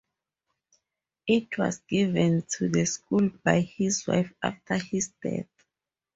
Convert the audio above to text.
It was given to the school by his wife after his death.